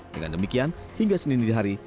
dengan demikian hingga senin dini hari